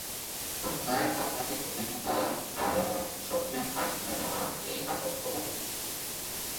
সম্প্রদায়ের আধ্যাত্মিক অভিজ্ঞতার আরও সক্রিয় ভাগ করে নেওয়া এই আধ্যাত্মিকতার বৈশিষ্ট্য।